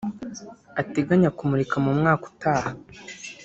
ateganya kumurika mu mwaka utaha